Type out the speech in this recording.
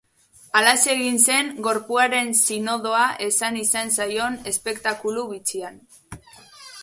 Halaxe egin zen, Gorpuaren sinodoa esan izan zaion espektakulu bitxian.